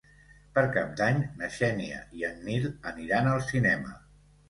Per Cap d'Any na Xènia i en Nil aniran al cinema.